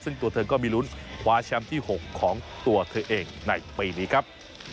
ซึ่งตัวเธอก็มีลุ้นคว้าแชมป์ที่๖ของตัวเธอเองในปีนี้ครับ